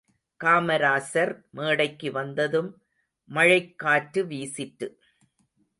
காமராசர் மேடைக்கு வந்ததும், மழைக்காற்று வீசிற்று.